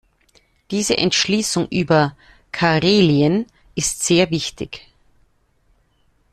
Diese Entschließung über Karelien ist sehr wichtig.